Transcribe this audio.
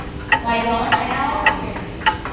為咗大家安全